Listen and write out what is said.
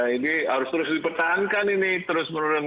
ini harus terus dipertahankan ini terus menurun